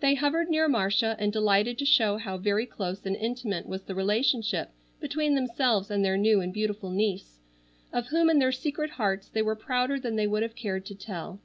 They hovered near Marcia and delighted to show how very close and intimate was the relationship between themselves and their new and beautiful niece, of whom in their secret hearts they were prouder than they would have cared to tell.